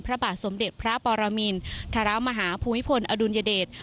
พระบาทสมเด็จพระปรมินทรมาฮาภูมิพลอดุลยเดช